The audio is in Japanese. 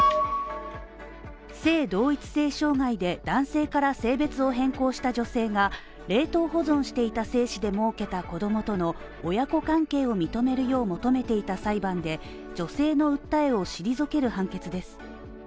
性同一性障害で男性から性別を変更した女性が冷凍保存していた精子でもうけた子供との親子関係を認めるよう、求めていた裁判で、女性の訴えを退ける判決です。